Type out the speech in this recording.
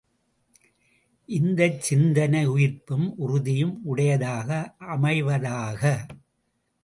இந்தச் சிந்தனை உயிர்ப்பும் உறுதியும் உடையதாக அமைவதாக!